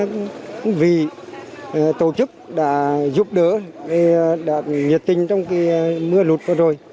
cũng vì tổ chức đã giúp đỡ đã nhiệt tình trong mưa lụt vừa rồi